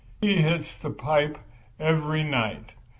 "He hits the pipe every night.